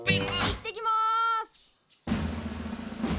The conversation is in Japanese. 行ってきます！